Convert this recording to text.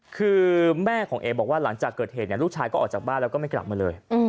คือแม่ของเอบอกว่าหลังจากเกิดเหตุลูกชายก็ออกจากบ้านแล้วก็ไม่กลับมาเลย